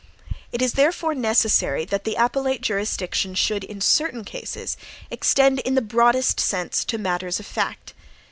It is therefore necessary that the appellate jurisdiction should, in certain cases, extend in the broadest sense to matters of fact.